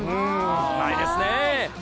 うまいですねぇ。